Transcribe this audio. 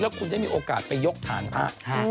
แล้วคุณจะมีโอกาสไปยกฐานภาค